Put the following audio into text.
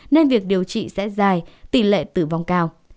nên việc điều trị sẽ dài tỷ lệ tử vong cao